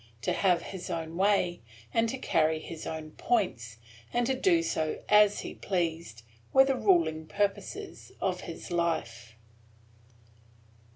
To have his own way, and to carry his own points, and to do so as he pleased, were the ruling purposes of his life.